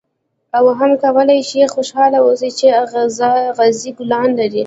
او هم کولای شې خوشاله اوسې چې اغزي ګلان لري.